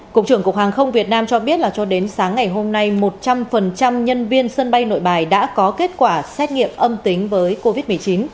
cục trưởng cục hàng không việt nam cho biết là cho đến sáng ngày hôm nay một trăm linh nhân viên sân bay nội bài đã có kết quả xét nghiệm âm tính với covid một mươi chín